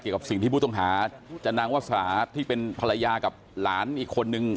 กับสิ่งที่ผู้ต้องหาจะนางวาสราที่เป็นภรรยากับหลานอีกคนนึง